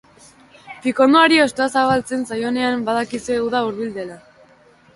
Pikondoari hostoa zabaltzen zaionean, badakizue uda hurbil dela.